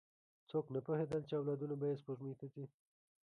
څوک نه پوهېدل، چې اولادونه به یې سپوږمۍ ته ځي.